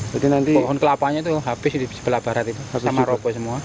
nanti pohon kelapanya itu habis di sebelah barat itu sama rokok semua